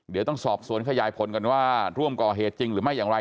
เดี๋ยวต้องสอบสวนขยายผลกันว่าร่วมก่อเหตุจริงหรือไม่อย่างไร